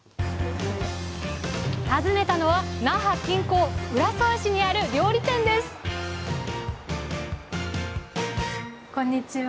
訪ねたのは那覇近郊浦添市にある料理店ですこんにちは。